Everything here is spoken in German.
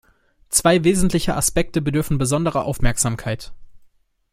Zwei wesentliche Aspekte bedürfen besonderer Aufmerksamkeit.